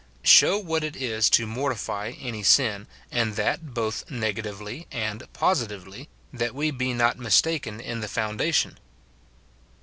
Show what it is to mortify any sin, and that both negatively and positively, that we be not mistaken in the foundation.